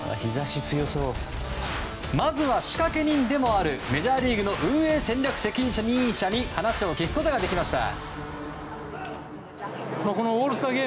まずは仕掛け人でもあるメジャーリーグの運営戦略責任者に話を聞くことができました。